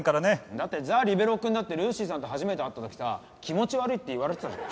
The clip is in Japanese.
だってザ・リベロウくんだってルーシーさんと初めて会った時さ気持ち悪いって言われてたじゃん。